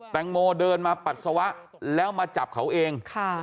แตงโมเดินมาปัสสาวะแล้วมาจับเขาเอง